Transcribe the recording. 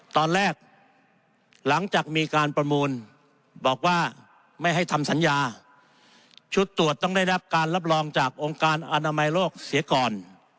ตอนแรกหลังจากมีการประมูลบอกว่าไม่ให้ทำสัญญาชุดตรวจต้องได้รับการรับรองจากองค์การอนามัยโลกเสียก่อน